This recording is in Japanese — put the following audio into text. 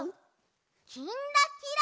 「きんらきら」。